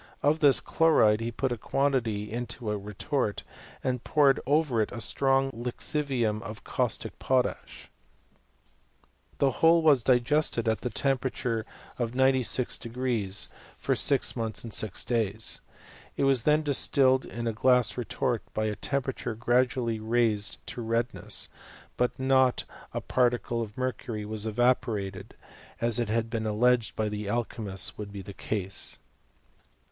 Of this chloride he put a quantity into a re^ tort, and poured over it a strong lixivium of. caustic potash. The whole was digested at the temperatm *t ri VAN HELMONT AND THE lATRO CHEMISTS. 217 of 96® for six months and six days. It was then dis tilled in a glass retort, by a temperature gradually raised to redness, but not a particle of mercury was evaporated, as it had been alleged by the alchymists would be the case.